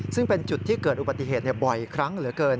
ซึ่งเป็นจุดที่เกิดอุบัติเหตุบ่อยครั้งเหลือเกิน